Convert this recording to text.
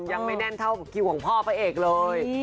ยังไม่แน่นเท่าคิวของพ่อพระเอกเลย